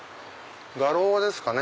画廊ですかね。